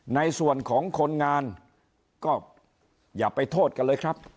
ในส่วนของคนงานก็อย่าไปโทษกันเลยครับ